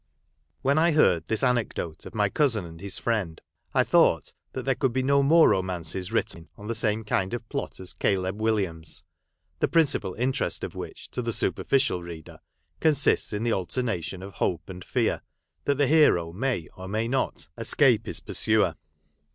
When I heard this anecdote of my cousin and his friend, I thought that there could be no more romances written on the same kind of plot as Caleb Williams ; the principal interest of which, to the superficial reader, consists in the alternation of hope and fear, that the hero may, or may not, escape his pursuer.